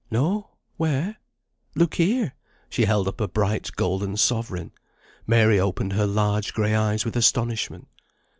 "No; where?" "Look here." She held up a bright golden sovereign. Mary opened her large gray eyes with astonishment.